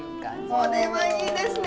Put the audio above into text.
これはいいですね！